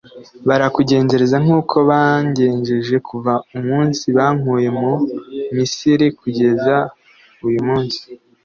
barakugenzereza nk'uko bangenjeje kuva umunsi mbakuye mu misiri kugeza uyu munsi